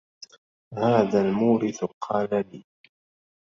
هذا المورث قال لي